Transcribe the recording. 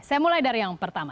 saya mulai dari yang pertama